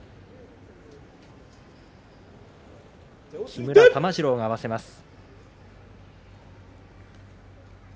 木村玉治郎が合わせます。